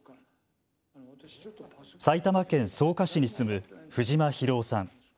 埼玉県草加市に住む藤間宏夫さん。